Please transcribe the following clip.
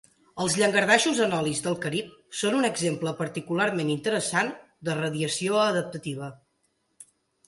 Els llangardaixos Anolis del Carib són un exemple particularment interessant de radiació adaptativa.